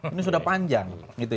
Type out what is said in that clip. ini sudah panjang